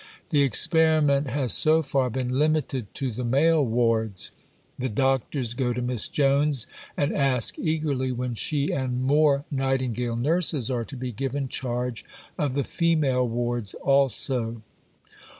The experiment has so far been limited to the male wards. The doctors go to Miss Jones and ask eagerly when she and more Nightingale nurses are to be given charge of the female wards also.